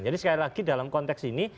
jadi sekali lagi dalam konteks ini